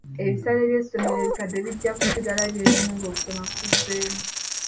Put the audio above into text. Ebisale by'essomero ebikadde bijja kusigala bye bimu ng'okusoma kuzzeemu.